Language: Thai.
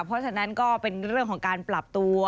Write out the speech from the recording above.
เพราะฉะนั้นก็เป็นเรื่องของการปรับตัว